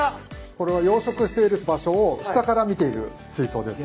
これは養殖している場所を下から見ている水槽ですね。